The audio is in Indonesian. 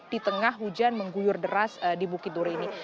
di tengah hujan mengguyur deras di bukit duri ini